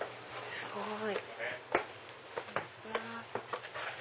すごい！